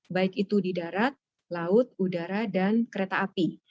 baik itu di darat laut udara dan kereta api